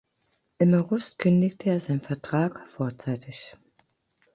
Im August kündigte er seinen Vertrag vorzeitig.